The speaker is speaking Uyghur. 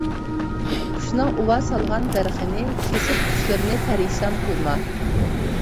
قۇشنىڭ ئۇۋا سالغان دەرىخىنى، كېسىپ قۇشلىرىنى پەرىشان قىلما.